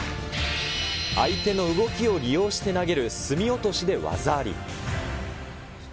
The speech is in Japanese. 相手の動きを利用して投げる隅落としで技あり。